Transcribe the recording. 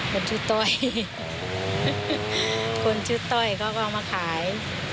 คนชื่อต้อยเขาก็เอามาขาย